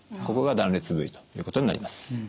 ここが断裂部位ということになります。